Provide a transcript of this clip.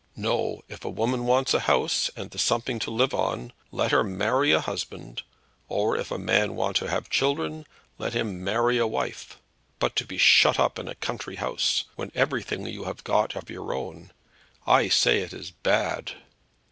No; if a woman wants a house, and de something to live on, let her marry a husband; or if a man want to have children, let him marry a wife. But to be shut up in a country house, when everything you have got of your own, I say it is bad."